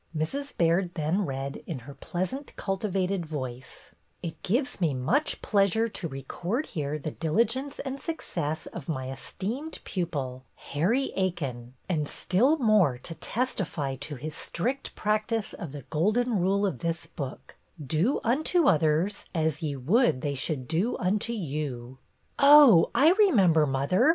Mrs. Baird then read, in her pleasant, cultivated voice: "'It gives me much pleasure to record here the diligence and success of my esteemed pupil, Harry Aikin, and still more to testify to his strict practice of the golden rule of this book, "Do unto others as ye would they should do unto you." '" "Oh, I remember, mother!